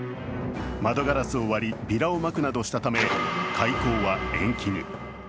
窓ガラスを割り、ビラをまくなどしたため、開港は延期に。